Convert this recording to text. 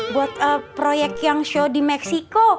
buat proyek yang show di meksiko